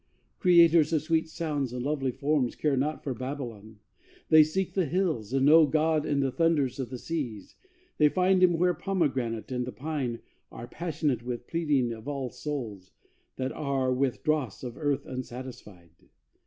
Creators of sweet sounds and lovely forms Care not for Babylon; they seek the hills, And know God in the thunders of the seas; They find Him where pomegranate and the pine Are passionate with pleading of all souls That are with dross of earth unsatisfied.